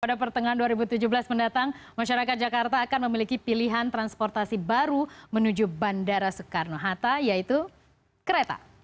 pada pertengahan dua ribu tujuh belas mendatang masyarakat jakarta akan memiliki pilihan transportasi baru menuju bandara soekarno hatta yaitu kereta